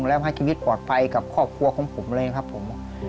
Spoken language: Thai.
แล้วให้ชีวิตปลอดภัยกับครอบครัวของผมเลยครับผม